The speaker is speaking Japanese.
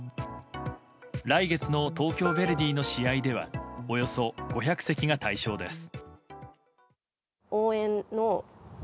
来月の東京ヴェルディの試合ではおよそ５００席が対象です。